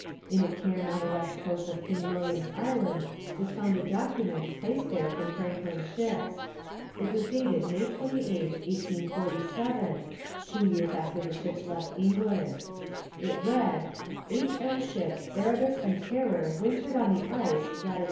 In a cairn on the west coast of King William's Island was found a document placed there from Franklin's ships. It was dated May 28, 1847 (two years after the ships left England). It read: 'H.M. Ships Erebus and Terror wintered in the ice lat.